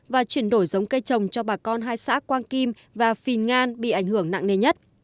và chuyển đổi giống cây trồng cho bà con hai xã quang kim và phìn ngan bị ảnh hưởng nặng nề nhất